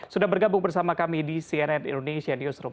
sudah bergabung bersama kami di cnn indonesia newsroom